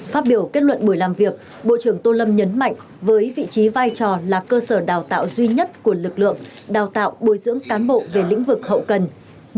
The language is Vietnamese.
phát biểu kết luận buổi làm việc bộ trưởng tô lâm nhấn mạnh với vị trí vai trò là cơ sở đào tạo duy nhất của lực lượng đào tạo bồi dưỡng cán bộ về lĩnh vực hậu cần